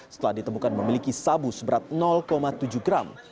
setelah ditemukan memiliki sabu seberat tujuh gram